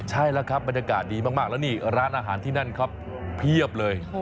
ใช่แล้วครับบรรยากาศดีมากแล้วนี่ร้านอาหารที่นั่นครับเพียบเลย